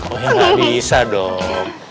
oh ya gak bisa dong